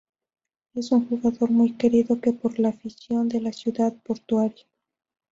Es un jugador muy querido por la afición de la ciudad portuaria.